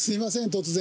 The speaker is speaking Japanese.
突然。